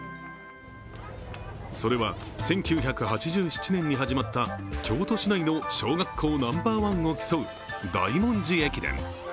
それは、１９８７年に始まった京都市内の小学校ナンバーワンを競う大文字駅伝。